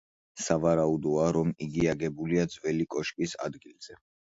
სავარაუდოა, რომ იგი აგებულია ძველი კოშკის ადგილზე.